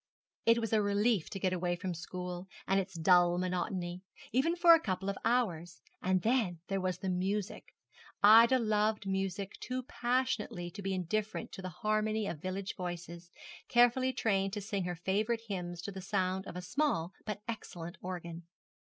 It was a relief to get a way from school, and its dull monotony, even for a couple of hours; and then there was the music. Ida loved music too passionately to be indifferent to the harmony of village voices, carefully trained to sing her favourite hymns to the sound of a small but excellent organ.